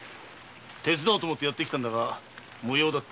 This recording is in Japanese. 手伝おうと思ってやってきたが無用だった。